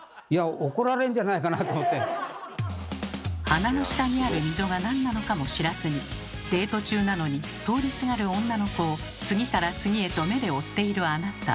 鼻の下にある溝が何なのかも知らずにデート中なのに通りすがる女の子を次から次へと目で追っているあなた。